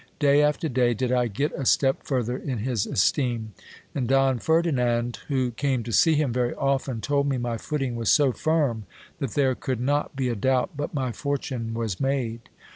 Day after day did I get a step further in his esteem ; and Don Ferdinand, who came to see him very often, told me my footing was so firm, that there could not be a doubt but my fortune was made.